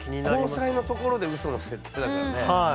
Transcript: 「交際」のところで「ウソの設定」だからね。